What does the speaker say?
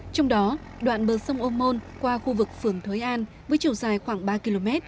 trong đó đoạn bờ sông ô môn qua khu vực phường thới an với chiều dài khoảng ba km